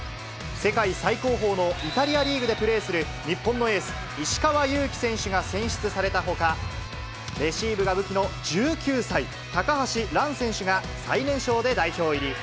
世界最高峰のイタリアリーグでプレーする日本のエース、石川祐希選手が選出されたほか、レシーブが武器の１９歳、高橋藍選手が最年少で代表入り。